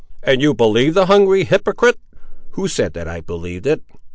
"And you believed the hungry hypocrite!" "Who said that I believed it?"